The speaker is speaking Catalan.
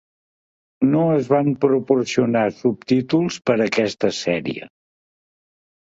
No es van proporcionar subtítols per a aquesta sèrie.